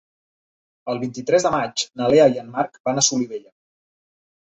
El vint-i-tres de maig na Lea i en Marc van a Solivella.